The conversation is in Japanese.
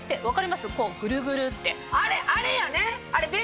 あれあれやね！